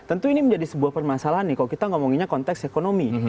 tentu ini menjadi sebuah permasalahan nih kalau kita ngomonginnya konteks ekonomi